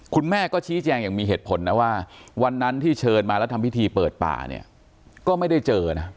คุณแม่ก็ชี้แจงอย่างมีเหตุผลนะว่าวันนั้นที่เชิญมาแล้วทำพิธีเปิดป่าเนี่ยก็ไม่ได้เจอนะ